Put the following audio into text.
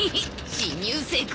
侵入成功！